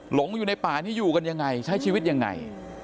หลงอยู่ในป่านี้อยู่กันยังไงใช้ชีวิตยังไง